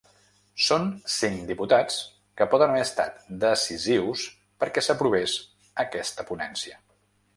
Són cinc diputats que poden haver estat decisius perquè s’aprovés aquesta ponència.